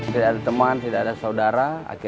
tidak ada teman tidak ada saudara